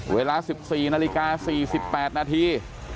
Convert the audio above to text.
เวลา๑๔นาฬิกา๔๘นาที